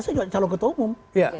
saya juga calon ketua umum